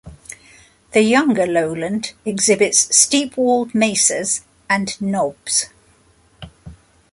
The younger lowland exhibits steep walled mesas and knobs.